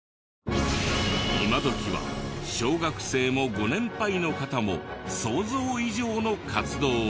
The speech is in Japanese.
今どきは小学生もご年配の方も想像以上の活動を。